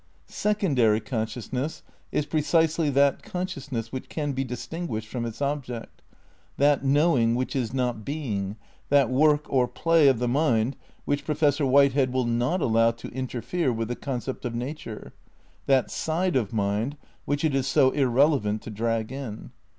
Secondary consciousness is precisely that conscious ness which can be distinguished from its object, that knowing which is not being, that work or play of the mind which Professor Whitehead will not allow to in terfere with the concept of nature, that side of mind which it is so irrelevant to drag in.